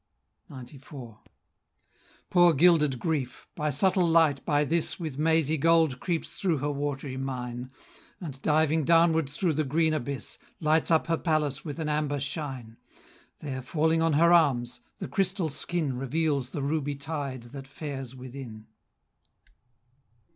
XCIV. Poor gilded Grief! the subtle light by this With mazy gold creeps through her watery mine, And, diving downward through the green abyss, Lights up her palace with an amber shine; There, falling on her arms, the crystal skin Reveals the ruby tide that fares within.